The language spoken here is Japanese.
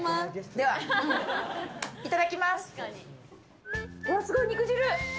では、いただきます。